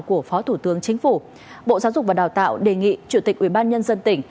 của phó thủ tướng chính phủ bộ giáo dục và đào tạo đề nghị chủ tịch ubnd tỉnh